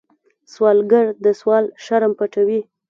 سوالګر د سوال شرم پټوي